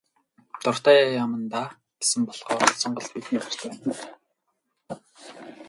Дуртай яамандаа гэсэн болохоор сонголт бидний гарт байна.